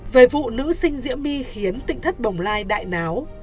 về vụ nữ sinh diễm my khiến tịnh thất bồng lai đại náo